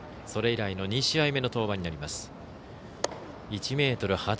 それ以来の２試合目の登板になります。